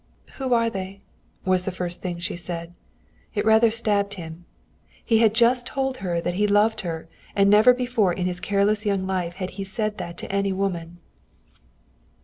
"Who are they?" was the first thing she said. It rather stabbed him. He had just told her that he loved her, and never before in his careless young life had he said that to any woman.